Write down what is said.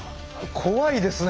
怖いですね。